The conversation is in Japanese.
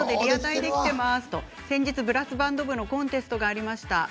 先月、ブラスバンドのコンテストがありました。